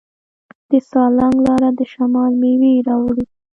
د سالنګ لاره د شمال میوې راوړي.